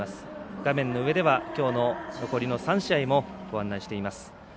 画面の上ではきょうの残りの３試合もご案内しています。